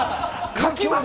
書きます？